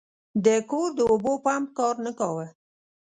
د کور د اوبو پمپ کار نه کاوه.